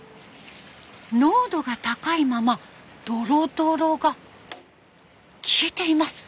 濃度が高いままドロドロが消えています。